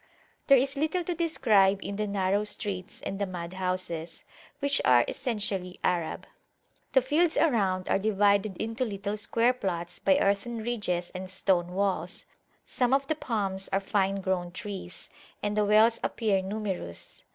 There is little to describe in the narrow streets and the mud houses, which are essentially Arab. The fields around are divided into little square plots by earthen ridges and stone walls; some of the palms are fine grown trees, and the wells appear numerous.